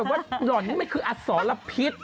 นั่งแบบว่าหล่อนนี่มันคืออสสอรพิษ